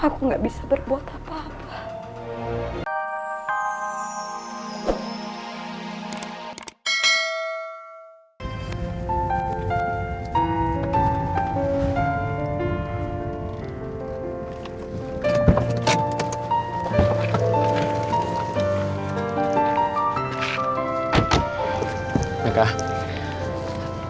aku gak bakal pergi kemana mana nekah